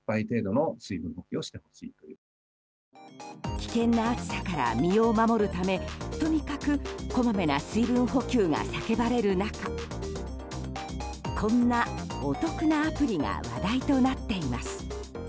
危険な暑さから身を守るためとにかくこまめな水分補給が叫ばれる中こんなお得なアプリが話題となっています。